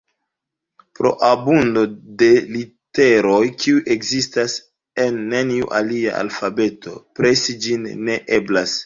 Pro abundo de literoj, kiuj ekzistas en neniu alia alfabeto, presi ĝin ne eblas.